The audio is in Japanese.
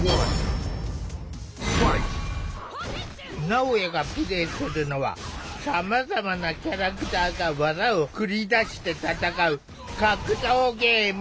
なおやがプレイするのはさまざまなキャラクターが技を繰り出して戦う格闘ゲーム。